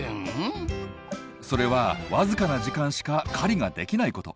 それは僅かな時間しか狩りができないこと。